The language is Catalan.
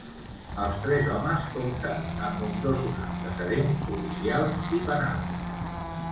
Els tres homes compten amb nombrosos antecedents policials i penals.